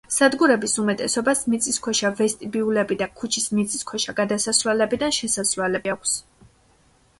სადგურების უმეტესობას მიწისქვეშა ვესტიბიულები და ქუჩის მიწისქვეშა გადასასვლელებიდან შესასვლელები აქვს.